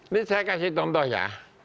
ini saya kasih contoh ya